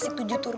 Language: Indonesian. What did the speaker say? untuk sakit laku